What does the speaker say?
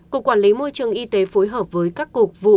cục quản lý môi trường y tế phối hợp với các cục vụ